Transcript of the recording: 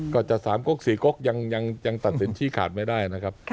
ก็จะสามก๊กสี่ก๊กยังตัดสินชี้ขาดไม่ได้นะครับ